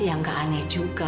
ya nggak aneh juga